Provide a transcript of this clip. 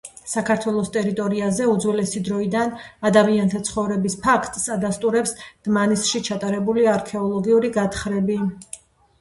საქართველოს ტერიტორიაზე უძველესი დროიდან ადამიანთა ცხოვრების ფაქტს ადასტურებს დმანისში ჩატარებული არქეოლოგიური გათხრები